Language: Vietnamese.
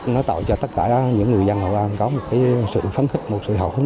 nó tạo cho tất cả những người dân hội an có một cái sự phấn khích một sự hào hứng